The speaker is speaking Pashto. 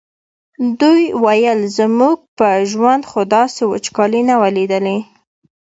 دوی ویل زموږ په ژوند خو داسې وچکالي نه وه لیدلې.